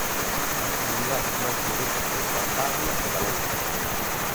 As comunidades máis morosas son Cantabria e Valencia.